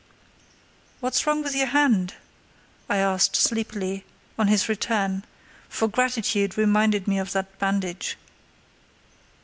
"What's wrong with your hand?" I asked, sleepily, on his return, for gratitude reminded me of that bandage.